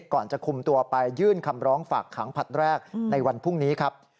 ก่อนจะคุมตัวไปยื่นคำร้องฝากขังผลัดแรกในวันพรุ่งนี้ครับ